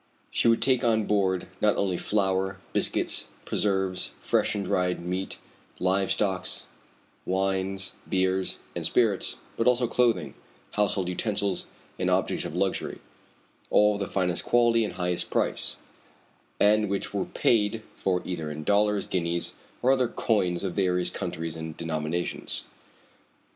She would take on board not only flour, biscuits, preserves, fresh and dried meat, live stock, wines, beers, and spirits, but also clothing, household utensils, and objects of luxury all of the finest quality and highest price, and which were paid for either in dollars, guineas, or other coins of various countries and denominations.